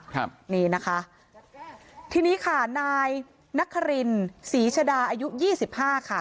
ครับนี่นะคะทีนี้ค่ะนายนักฮารินศรีชดาอายุ๒๕ค่ะ